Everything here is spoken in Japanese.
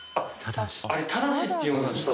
あれ「ただし」って読むんですか？